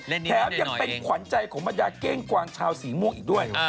แถมยังเป็นขวัญใจของบรรดาเก้งกวางชาวสีม่วงอีกด้วย